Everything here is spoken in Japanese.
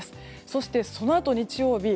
そして、そのあと日曜日。